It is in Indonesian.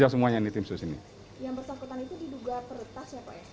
yang bersangkutan itu diduga peretas ya pak ya